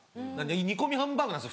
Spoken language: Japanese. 煮込みハンバーグなんですよ